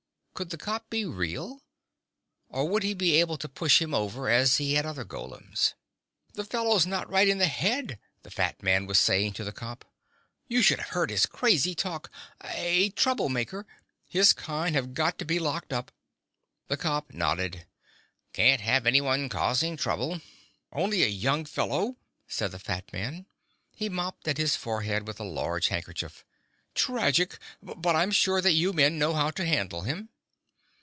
Could the cop be real? Or would he be able to push him over, as he had other golems? "The fellow's not right in the head," the fat man was saying to the cop. "You should have heard his crazy talk. A troublemaker. His kind have got to be locked up!" The cop nodded. "Can't have anyone causing trouble." "Only a young fellow," said the fat man. He mopped at his forehead with a large handkerchief. "Tragic. But I'm sure that you men know how to handle him."